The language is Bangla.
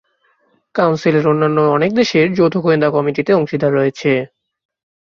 কাউন্সিলের অন্যান্য অনেক দেশের যৌথ গোয়েন্দা কমিটিতে অংশীদার রয়েছে।